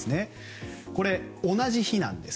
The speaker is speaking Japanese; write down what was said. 同じ日なんです。